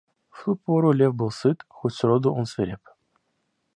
В ту пору лев был сыт, хоть сроду он свиреп.